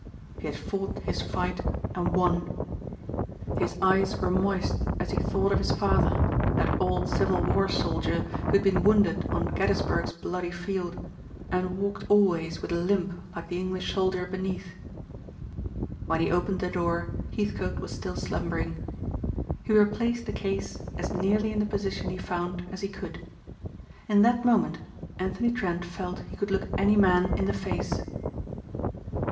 He had fought his fight and won. His eyes were moist as he thought of his father, that old civil war soldier who had been wounded on Gettysburg's bloody field and walked always with a limp like the English sailor beneath. When he opened the door Heathcote was still slumbering. He replaced the case as nearly in the position he found as he could. In that moment Anthony Trent felt he could look any man in the face.